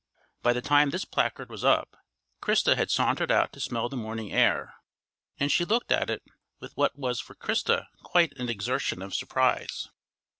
_ By the time this placard was up, Christa had sauntered out to smell the morning air, and she looked at it with what was for Christa quite an exertion of surprise.